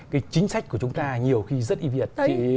cái chính sách của chúng ta nhiều khi rất y việt